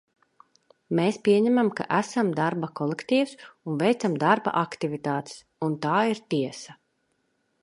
Mēs pieņemam, ka esam darba kolektīvs un veicam darba aktivitātes, un tā ir tiesa.